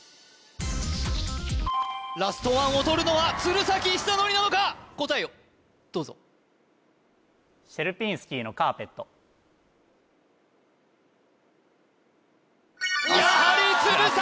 ラストワンをとるのは鶴崎修功なのか答えをどうぞやはり鶴崎！